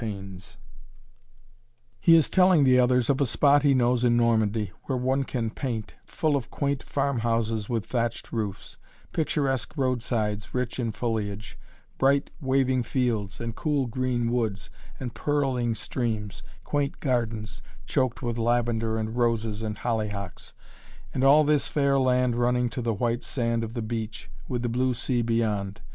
[Illustration: (omnibus)] He is telling the others of a spot he knows in Normandy, where one can paint full of quaint farm houses, with thatched roofs; picturesque roadsides, rich in foliage; bright waving fields, and cool green woods, and purling streams; quaint gardens, choked with lavender and roses and hollyhocks and all this fair land running to the white sand of the beach, with the blue sea beyond.